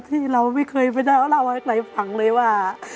ที่เราไม่เคยไปได้ว่าเราใกล้ฝั่งเลยว่า